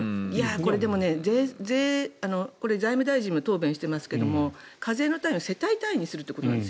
でもこれ財務大臣も答弁してますが課税の単位を世帯単位にするということなんです。